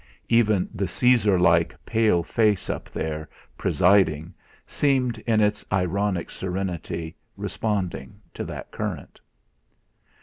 Even the Caesar like pale face up there, presiding, seemed in its ironic serenity responding to that current.